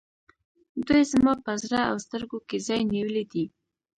دوی زما په زړه او سترګو کې ځای نیولی دی.